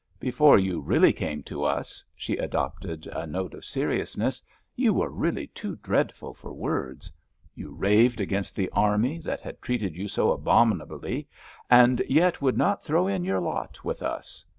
Before you really came to us," she adopted a note of seriousness, "you were really too dreadful for words. You raved against the army, that had treated you so abominably, and yet would not throw in your lot with us.